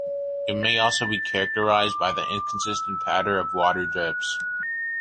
It may also be characterised by the inconsistent pattern of water drips.